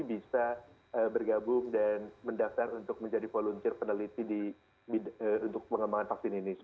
bisa bergabung dan mendaftar untuk menjadi volunteer peneliti untuk pengembangan vaksin ini